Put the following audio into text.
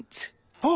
あっ！